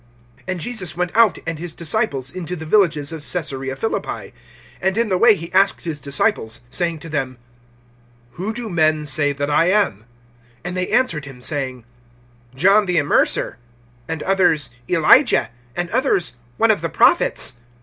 (27)And Jesus went out, and his disciples, into the villages of Caesarea Philippi: And in the way he asked his disciples, saying to them: Who do men say that I am? (28)And they answered him saying: John the Immerser; and others, Elijah; and others, one of the prophets.